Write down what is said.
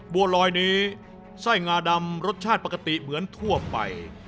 บัวลอยนี้ไส้งาดำรสชาติปกติเหมือนทั่วไป